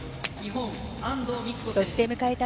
そして迎えた